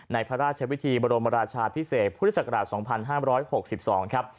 พระราชวิธีบรมราชาพิเศษพุทธศักราช๒๕๖๒ครับ